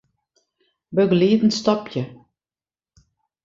Begelieden stopje.